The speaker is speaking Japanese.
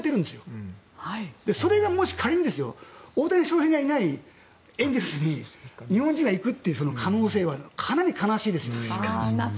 もしそれが仮に大谷翔平がいないエンゼルスに日本人が行くという可能性はかなり悲しいですよね。